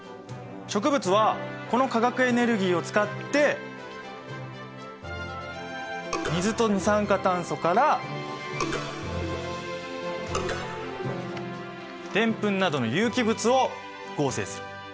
植物はこの化学エネルギーを使って水と二酸化炭素からデンプンなどの有機物を合成する。